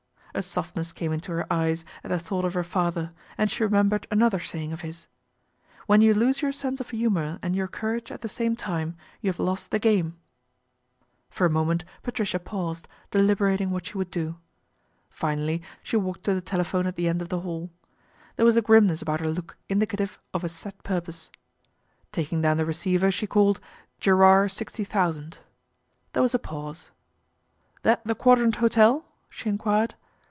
A softness came into her eyes at the thought of her father, and she remembered another saying of his, '' When you lose your sense oi humour and your courage at the same time, you have lost the game." For a moment Patricia paused, deliberating INTERVENTION OF AUNT ADELAIDE 89 phat she would do. Finally, she walked to the elephone at the end of the hall. There was a rimness about her look indicative of a set purpose. Baking down the receiver she called " Gerrard oooo." There was a pause. " That the Quadrant Hotel ?" she enquired.